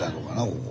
ここ。